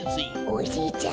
おじいちゃん